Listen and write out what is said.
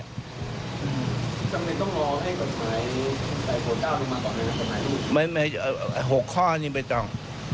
ทำไมต้องรอให้กฎหมายใส่โทรเจ้าไปมาก่อน